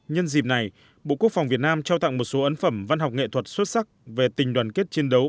nhân dịp này bộ quốc phòng việt nam trao tặng một số ấn phẩm văn học nghệ thuật xuất sắc về tình đoàn kết chiến đấu